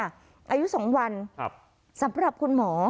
อายุ๒วันสำหรับคุณหมอ